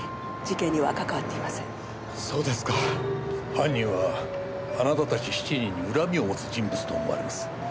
犯人はあなたたち７人に恨みを持つ人物と思われます。